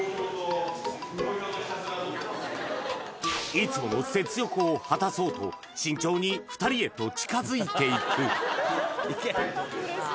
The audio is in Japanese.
いつもの雪辱を果たそうと慎重に２人へと近づいていく